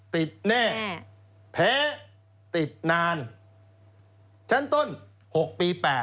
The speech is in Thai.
ติดแน่แขติดนานชั้นต้นหกปีแบบ